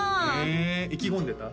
へえ意気込んでた？